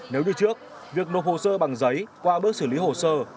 nếu như trước việc nộp hồ sơ bằng giấy qua bước xử lý hồ sơ